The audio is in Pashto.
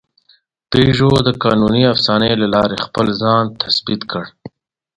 پيژو د قانوني افسانې له لارې خپل ځان تثبیت کړ.